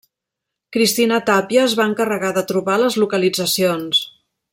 Cristina Tapia es va encarregar de trobar les localitzacions.